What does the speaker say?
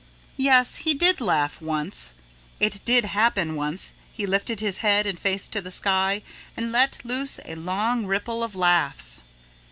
Yet he did laugh once. It did happen once he lifted his head and face to the sky and let loose a long ripple of laughs.